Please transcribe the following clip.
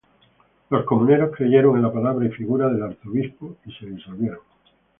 Los comuneros creyeron en la palabra y figura del arzobispo y se disolvieron.